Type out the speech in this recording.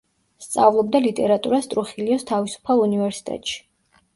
სწავლობდა ლიტერატურას ტრუხილიოს თავისუფალ უნივერსიტეტში.